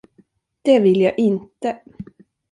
Det vill jag inte.